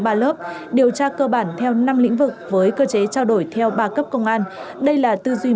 ba lớp điều tra cơ bản theo năm lĩnh vực với cơ chế trao đổi theo ba cấp công an đây là tư duy